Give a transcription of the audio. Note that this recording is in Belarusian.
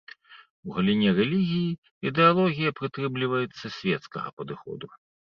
У галіне рэлігіі ідэалогія прытрымліваецца свецкага падыходу.